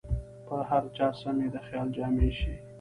پر هر چا سمې د خیال جامې شي